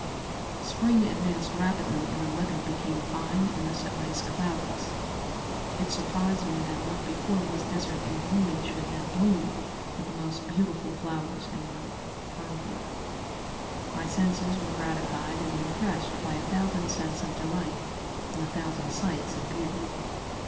"Spring advanced rapidly; the weather became fine and the skies cloudless. It surprised me that what before was desert and gloomy should now bloom with the most beautiful flowers and verdure. My senses were gratified and refreshed by a thousand scents of delight and a thousand sights of beauty.